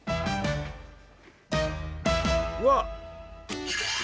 うわっ！